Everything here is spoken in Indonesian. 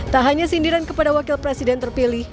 tak hanya sindiran kepada wakil presiden terpilih